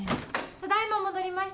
ただいま戻りまし